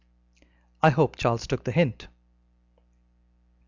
"I hope Charles took the hint."